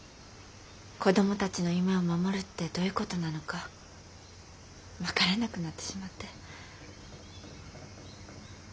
子どもたちの夢を守るってどういう事なのか分からなくなってしまって。